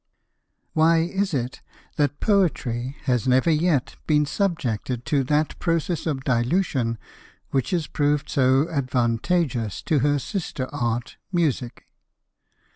[Why is it that Poetry has never yet been subjected to that process of Dilution which has proved so advantageous to her sister art Music?